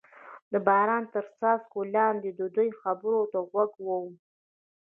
د باران تر څاڅکو لاندې د دوی خبرو ته غوږ ووم.